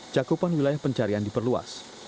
cakupan wilayah pencarian diperluas